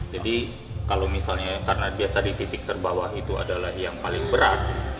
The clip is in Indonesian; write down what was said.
jadi kalau misalnya karena biasa di titik terbawah itu adalah yang paling berat